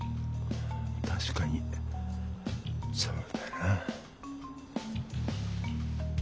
たしかにそうだな。